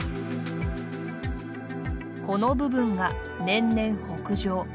この部分が年々北上。